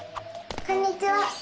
こんにちは！